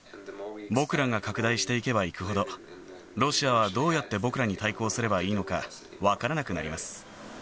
僕らが拡大していけばいくほど、ロシアはどうやって僕らに対抗すればいいのか分からなくなります。